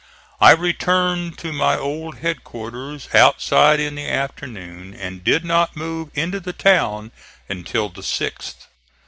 I returned to my old headquarters outside in the afternoon, and did not move into the town until the sixth.